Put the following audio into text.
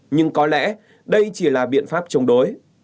nhưng có lẽ đây chỉ là biện pháp chống đối